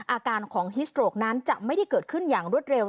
อาการของฮิสโตรกนั้นจะไม่ได้เกิดขึ้นอย่างรวดเร็ว